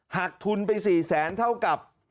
หักทุนไป๔แสนเท่ากับ